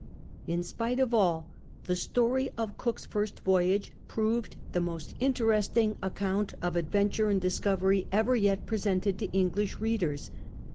In spite of all, the story of Cook's first voyage proved the most interesting account of adventure and discovery ever yet presented to English readei*s.